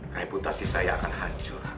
reputasi saya akan hancur